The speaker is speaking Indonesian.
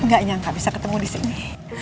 gak nyangka bisa ketemu di sini